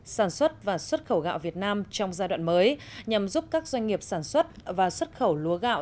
sản xuất và xuất khẩu gạo việt nam trong giai đoạn mới nhằm giúp các doanh nghiệp sản xuất và xuất khẩu lúa gạo